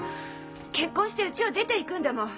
結婚してうちを出ていくんだもん。